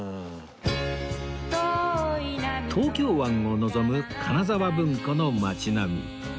東京湾を望む金沢文庫の街並み